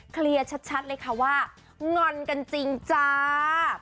เคลียร์ชัดเลยค่ะว่างอนกันจริงจ้า